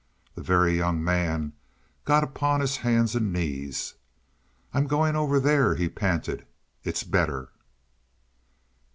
The Very Young Man got upon his hands and knees. "I'm going over there," he panted. "It's better."